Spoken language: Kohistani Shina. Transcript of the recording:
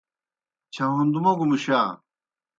چھہُوݩد موگوْ مُشا۔